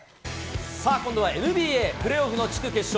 さあ今度はＮＢＡ、プレーオフの地区決勝。